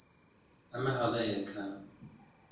ئەمە هەڵەیەکە.